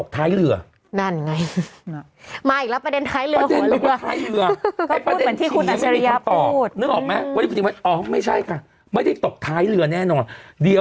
แตงโมวันไม่ได้ตกท้ายเรือ